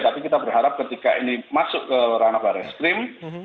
tapi kita berharap ketika ini masuk ke ranah barreskrim